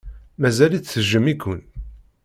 Mazal-itt tejjem-iken.